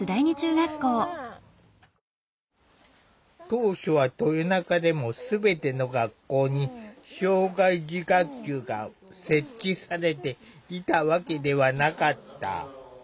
当初は豊中でもすべての学校に障害児学級が設置されていたわけではなかった。